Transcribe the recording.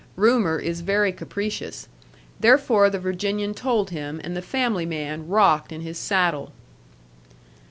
Rumor is very capricious. Therefore the Virginian told him, and the family man rocked in his saddle.